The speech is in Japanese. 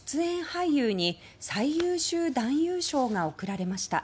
俳優に最優秀男優賞が贈られました。